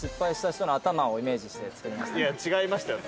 違いましたよね。